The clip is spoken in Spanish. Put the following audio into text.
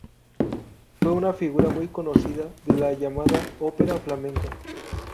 Fue una figura muy conocida de la llamada 'ópera flamenca'.